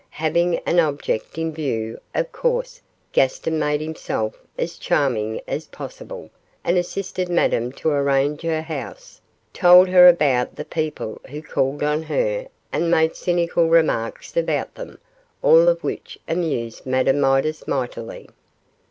Having an object in view, of course Gaston made himself as charming as possible, and assisted Madame to arrange her house, told her about the people who called on her, and made cynical remarks about them, all of which amused Madame Midas mightily.